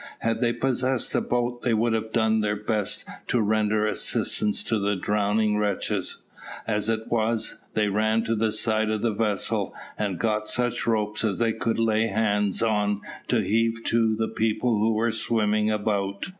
Had they possessed a boat, they would have done their best to render assistance to the drowning wretches; as it was, they ran to the side of the vessel, and got such ropes as they could lay hands on to heave to the people who were swimming about.